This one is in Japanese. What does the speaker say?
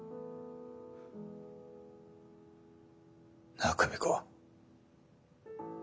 なあ久美子。